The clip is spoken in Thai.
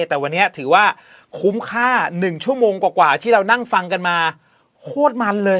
แต่วันนี้ถือว่าคุ้มค่า๑ชั่วโมงกว่าที่เรานั่งฟังกันมาโคตรมันเลย